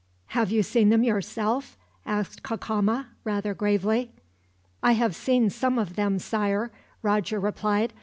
"Have you seen them yourself?" asked Cacama, rather gravely. "I have seen some of them, Sire," Roger replied.